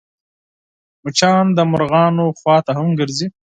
مچان د مرغانو خوا ته هم ګرځي